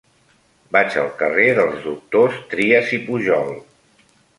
Vaig al carrer dels Doctors Trias i Pujol.